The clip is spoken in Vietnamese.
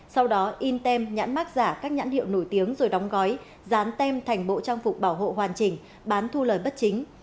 sau đó in tem nhãn mát giả các nhãn hiệu nổi tiếng rồi đóng gói dán tem thành bộ trang phục bảo hộ hoàn chỉnh bán thu lời bất chính